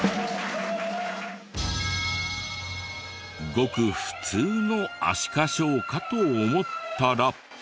ごく普通のアシカショーかと思ったら。